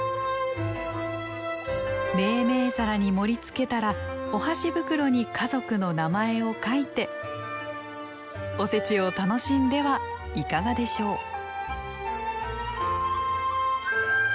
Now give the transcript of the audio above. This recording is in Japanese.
銘々皿に盛り付けたらお箸袋に家族の名前を書いておせちを楽しんではいかがでしょう？